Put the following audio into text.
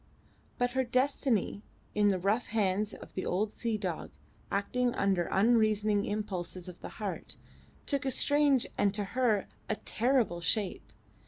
But her destiny in the rough hands of the old sea dog, acting under unreasoning impulses of the heart, took a strange and to her a terrible shape.